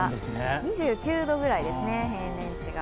２９度ぐらいですね、平年値が。